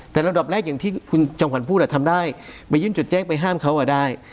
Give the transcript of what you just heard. แต่ระดับแรกอย่างที่คุณจอมขวัญพูดทำได้ไปยื่นจดแจ้งไปห้ามเขาได้